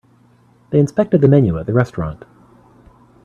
They inspected the menu at the restaurant.